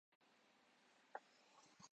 اس کی ضرورت اب اتنی نہیں رہی